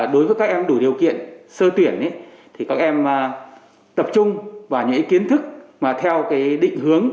đối với các em đủ điều kiện sơ tuyển thì các em tập trung vào những kiến thức mà theo định hướng